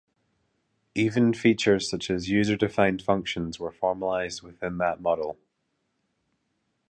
Even features such as user-defined functions were formalized within that model.